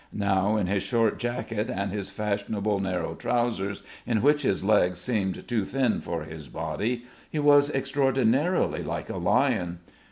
Now in his short jacket and his fashionable narrow trousers in which his legs seemed too thin for his body, he was extraordinarily like a lion.